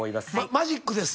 マジックです。